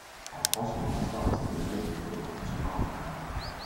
En France, le constat reste le même que pour le continent américain.